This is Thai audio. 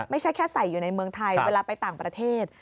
ไม่ใช่แค่ใส่อยู่ในเมืองไทยเวลาไปต่างประเทศ